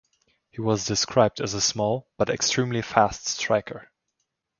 He was described as a small, but extremely fast striker.